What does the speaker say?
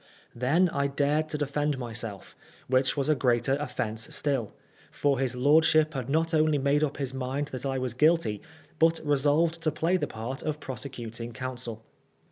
Then I dared to defend myself, which was a greater offence still ; for his lord ship had not only made up his mind that I was guilty, but resolved to play the part of prosecuting counsel.